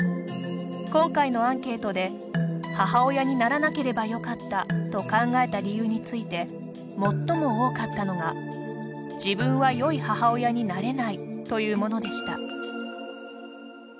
今回のアンケートで「母親にならなければよかった」と考えた理由について最も多かったのが「自分はよい母親になれない」というものでした。